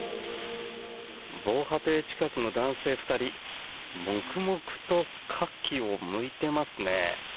防波堤近くの男性２人黙々とカキをむいてますね。